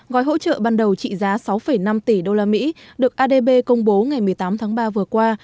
gói hỗ trợ ban đầu trị giá sáu năm tỷ đô la mỹ được adb công bố ngày một mươi tám tháng ba vừa qua